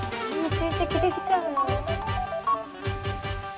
追跡できちゃうの？